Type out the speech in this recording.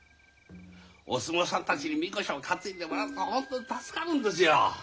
お相撲さんたちに神輿を担いでもらえるとホントに助かるんですよ。